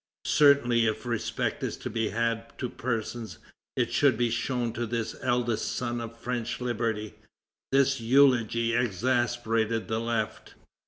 Certainly, if respect is to be had to persons, it should be shown to this eldest son of French liberty." This eulogy exasperated the left.